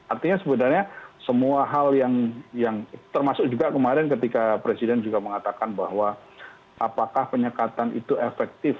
artinya sebenarnya semua hal yang termasuk juga kemarin ketika presiden juga mengatakan bahwa apakah penyekatan itu efektif